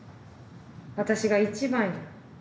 私が一番や。